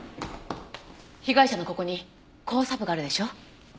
被害者のここに交叉部があるでしょ？